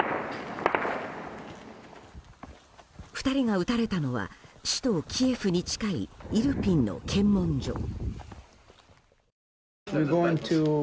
２人が撃たれたのは首都キエフに近いイルピンの検問所。